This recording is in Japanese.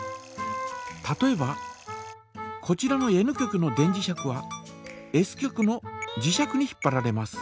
例えばこちらのＮ極の電磁石はＳ極の磁石に引っぱられます。